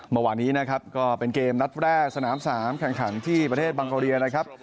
เมื่อวานนี้นะครับก็เป็นเกมนัดแรกสนาม๓แข่งขันที่ประเทศบังโกเรียนะครับ